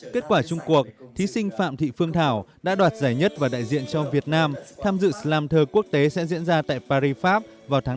kết quả chung cuộc thí sinh phạm thị phương thảo đã đoạt giải nhất và đại diện cho việt nam tham dự slam thơ quốc tế sẽ diễn ra tại paris pháp vào tháng năm hai nghìn một mươi tám